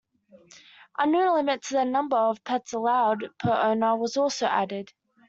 A new limit to the number of pets allowed per owner was also added.